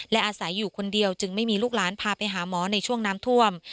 และอาศัยอยู่คนเดียวจึงไม่มีลูกหลานพาไปหาหมอในช่วงน้ำท่วม